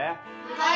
はい。